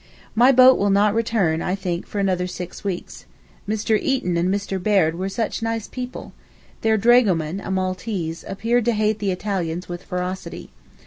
My boat will not return I think for another six weeks. Mr. Eaton and Mr. Baird were such nice people! their dragoman, a Maltese, appeared to hate the Italians with ferocity.